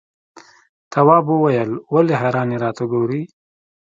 تواب وويل: ولې حیرانې راته ګوري؟